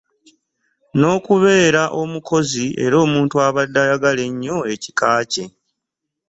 N'okubeera omukozi era omuntu abadde ayagala ennyo ekika kye.